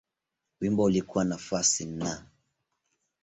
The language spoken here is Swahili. Wimbo ulikuwa nafasi Na.